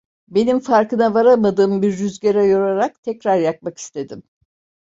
Benim farkına varamadığım bir rüzgara yorarak tekrar yakmak istedim…